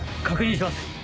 確認します。